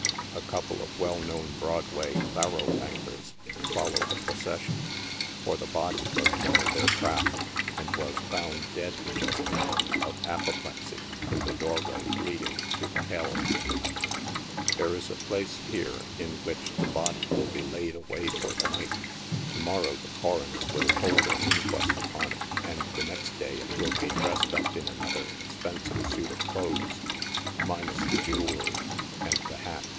A cou le of well known Broad way "faro bankers" follow the procession, for the body was one of their erafc, and was found dead, just now, of apoplexy, in the door way leading to the " hell " There is a place here, in which the body will be laid away for the night ; to morrow, the coroner will hold an inquest upon it, and the next day it will be dressed up in another expensive suit of clothes, minus the jewelry, and the hat.